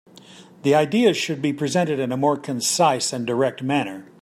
The ideas should be presented in a more concise and direct manner.